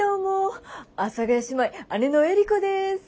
阿佐ヶ谷姉妹姉のエリコです。